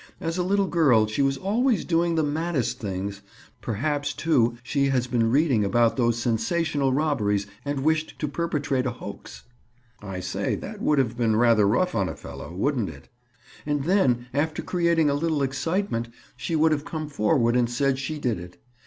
"As a little girl she was always doing the maddest things. Perhaps, too, she has been reading about those sensational robberies and wished to perpetrate a hoax." "I say, that would have been rather rough on a fellow, wouldn't it?" "And then, after creating a little excitement, she would have come forward and said she did it.